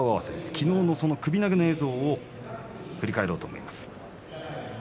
昨日の首投げの映像を振り返ろうと思います。